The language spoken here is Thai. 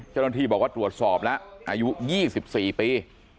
เจ้าหน้าที่บอกว่าตรวจสอบแล้วอายุยี่สิบสี่ปี